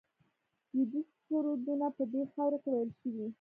ویدي سرودونه په دې خاوره کې ویل شوي